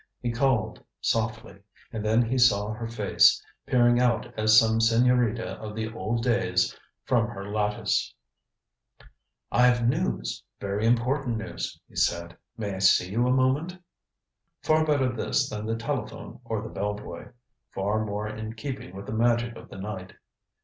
He called, softly. And then he saw her face, peering out as some senorita of the old days from her lattice "I've news very important news," he said. "May I see you a moment?" Far better this than the telephone or the bellboy. Far more in keeping with the magic of the night.